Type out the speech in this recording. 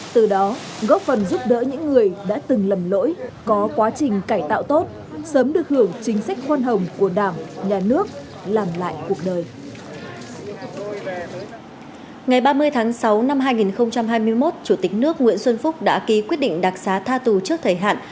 từ đó góp phần giúp đỡ những người đã từng lầm lỗi có quá trình cải tạo tốt